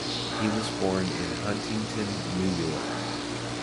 He was born in Huntington, New York.